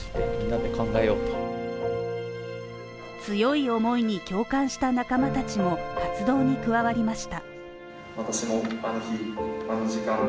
強い思いに共感した仲間たちも活動に加わりました。